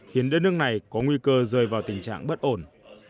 khiến đất nước này có nguy cơ rơi vào tình trạng bất ổn